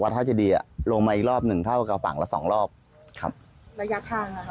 วัดท่าจดีลงมาอีกรอบนึงเท่ากับฝั่งละสองรอบครับระยะทาง